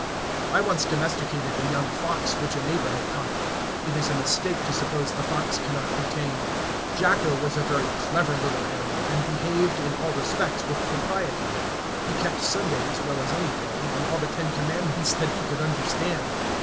I once domesticated a young fox which a neighbor had caught. It is a mistake to suppose the fox cannot be tamed. Jacko was a very clever little animal, and behaved, in all respects, with propriety. He kept Sunday as well as any day, and all the ten commandments that he could understand.